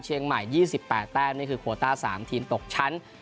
เชียงใหม่๒๘แต้มนี่คือโคต้า๓ทีมตกชั้น